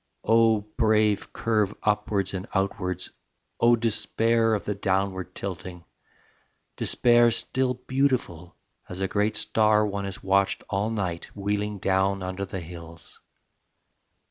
Oh brave curve upwards and outwards. Oh despair of the downward tilting Despair still beautiful As a great star one has watched all night Wheeling down under the hills.